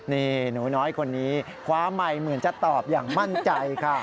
นี่หนูน้อยคนนี้คว้าไมค์เหมือนจะตอบอย่างมั่นใจค่ะ